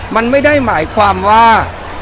มันไม่ได้หมายความว่า